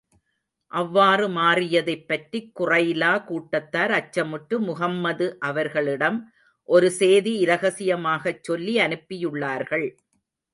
அவ்வாறு மாறியதைப் பற்றி, குறைலா கூட்டத்தார் அச்சமுற்று, முஹம்மது அவர்களிடம் ஒரு சேதி இரகசியமாகச் சொல்லி அனுப்பியுள்ளார்கள்.